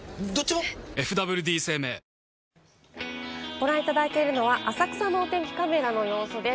ご覧いただいているのは浅草のお天気カメラの様子です。